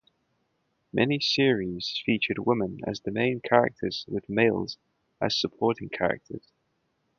Many series featured women as the main characters with males as supporting characters.